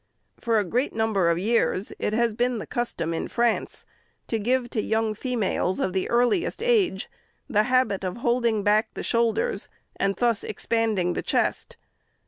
For a great number of years, it has been the custom in France to give to young females of the earliest age, the habit of holding back the shoulders, and thus expanding the chest.